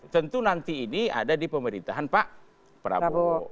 tentu nanti ini ada di pemerintahan pak prabowo